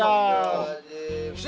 siap laksanakan aja